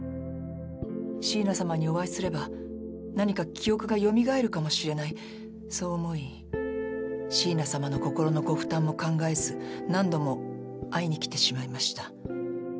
椎名様にお会いすれば何か記憶がよみがえるかもしれないそう思い椎名様の心のご負担も考えず何度も会いにきてしまいました。